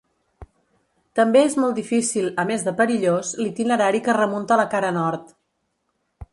També és molt difícil –a més de perillós– l'itinerari que remunta la cara nord.